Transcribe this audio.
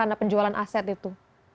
bagaimana penjualan aset itu